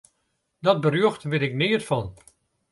Dat berjocht wit ik neat fan.